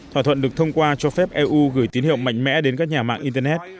thỏa thuận được thông qua cho phép eu gửi tín hiệu mạnh mẽ đến các nhà mạng internet